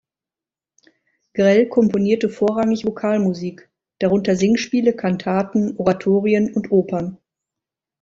Grell komponierte vorrangig Vokalmusik, darunter Singspiele, Kantaten, Oratorien und Opern.